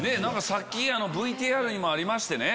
さっきＶＴＲにもありましてね。